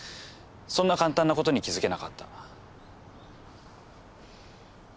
そんな簡単なことに気付けなかった。